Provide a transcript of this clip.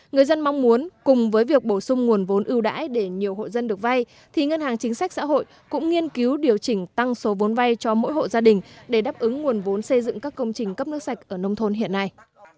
người dân mong muốn cùng với việc bổ sung nguồn vốn ưu đãi để nhiều hộ dân được vay thì ngân hàng chính sách xã hội cũng nghiên cứu điều chỉnh tăng số vốn vay cho mỗi hộ gia đình để đáp ứng nguồn vốn xây dựng các công trình cấp nước sạch ở nông thôn hiện nay